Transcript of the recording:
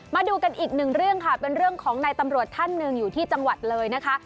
มาดูกันอีกหนึ่งเรื่องค่ะเป็นเรื่องของนายตำรวจท่านหนึ่งอยู่ที่จังหวัดเลยนะคะ